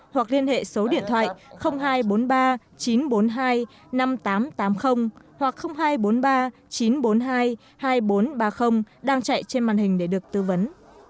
hoặc liên hệ số điện thoại hai trăm bốn mươi ba chín trăm bốn mươi hai năm nghìn tám trăm tám mươi hoặc hai trăm bốn mươi ba chín trăm bốn mươi hai hai nghìn bốn trăm ba mươi đang chạy trên màn hình để được tư vấn